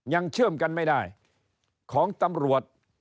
เชื่อมกันไม่ได้ของตำรวจ